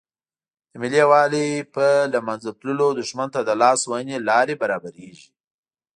د ملي یووالي په له منځه تللو دښمن ته د لاس وهنې لارې برابریږي.